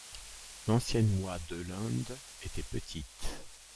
L'ancienne oie d'Öland était petite.